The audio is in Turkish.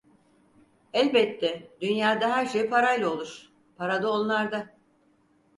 Elbette, dünyada her şey parayla olur, para da onlarda…